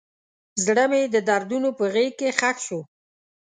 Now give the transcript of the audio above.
زړه مې د دردونو په غیږ کې ښخ شو.